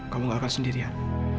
kamu gak akan sendirian